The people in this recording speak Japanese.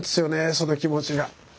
その気持ちが。